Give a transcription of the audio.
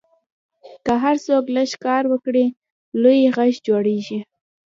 که هر څوک لږ کار وکړي، لوی غږ جوړېږي.